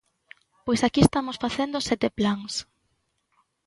Pois aquí estamos facendo sete plans.